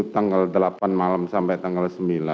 tanggal delapan malam sampai tanggal sembilan